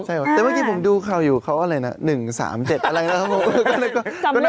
ใช่แต่เมื่อกี้ผมดูข่าวอยู่เขาอะไรนะ๑๓๗อะไรนะครับผม